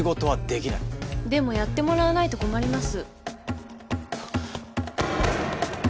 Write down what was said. でもやってもらわないと困ります。